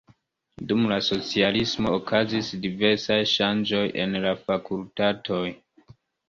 Dum la socialismo okazis diversaj ŝanĝoj en la fakultatoj.